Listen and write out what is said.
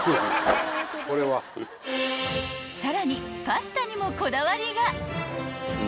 ［さらにパスタにもこだわりが］